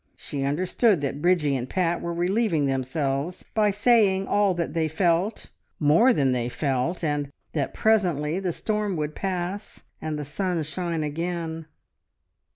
She understood that Bridgie and Pat were relieving themselves by saying all that they felt, more than they felt, and that presently the storm would pass and the sun shine again.